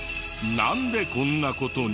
なんでこんな事に？